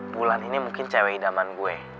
bulan ini mungkin cewek idaman gue